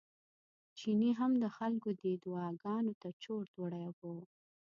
چيني هم د خلکو دې دعاګانو ته چورت وړی و.